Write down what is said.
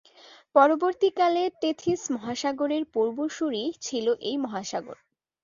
পরবর্তীকালের Tethys মহাসাগরের পূর্বসুরী ছিল এই মহাসাগর।